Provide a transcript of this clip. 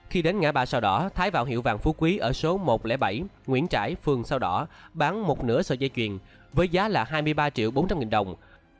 khi đến ngã ba sao đỏ thái vào hiệu vàng phú quý ở số một trăm linh bảy nguyễn trãi phường sao đỏ bán một nửa sợi dây chuyền với giá là hai mươi ba triệu bốn trăm linh nghìn đồng